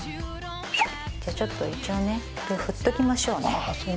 じゃあちょっと一応ねこれをふっておきましょうね